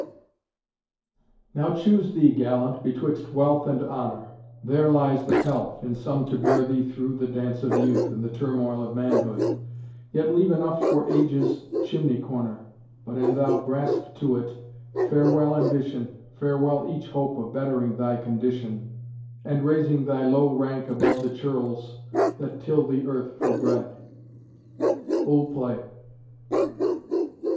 Now choose thee, gallant, betwixt wealth and honour; There lies the pelf, in sum to bear thee through The dance of youth, and the turmoil of manhood, Yet leave enough for age's chimney corner; But an thou grasp to it, farewell ambition, Farewell each hope of bettering thy condition, And raising thy low rank above the churls That till the earth for bread. OLD PLAY.